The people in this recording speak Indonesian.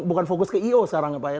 bukan fokus ke i o sekarang ya pak ya